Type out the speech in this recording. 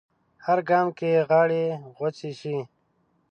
هر ګام کې غاړې غوڅې شي